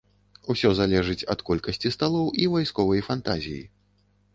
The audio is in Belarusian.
Усё залежыць ад колькасці сталоў і вайсковай фантазіі.